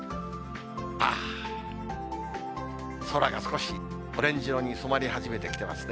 あぁ、空が少し、オレンジ色に染まり始めてきていますね。